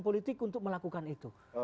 politik untuk melakukan itu